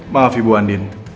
maaf ibu andin